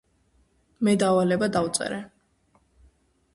მე დავალება დავწერე